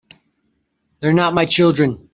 They're not my children.